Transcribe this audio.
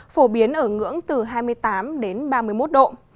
phổ biến ở ngưỡng từ hai mươi tám đến ba mươi một độ